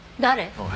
おい。